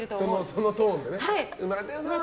そのトーンでね。